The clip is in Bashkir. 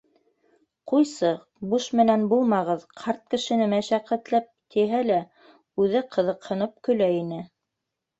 — Ҡуйсы, буш менән булмағыҙ, ҡарт кешене мәшәҡәтләп, — тиһә лә, үҙе ҡыҙыҡһынып көлә ине.